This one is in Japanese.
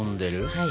はい。